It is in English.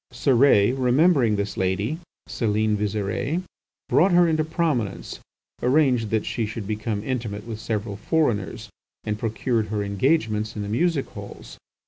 Cérès, remembering this lady, Celine Visire, brought her into prominence, arranged that she should become intimate with several foreigners, and procured her engagements in the music halls.